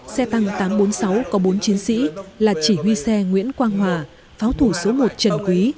xe tăng tám trăm bốn mươi sáu có bốn chiến sĩ là chỉ huy xe nguyễn quang hòa pháo thủ số một trần quý